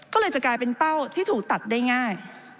ก็เลยจะกลายเป็นเป้าที่ถูกตัดได้ง่าย